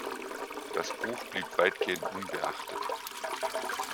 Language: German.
Das Buch blieb weitgehend unbeachtet.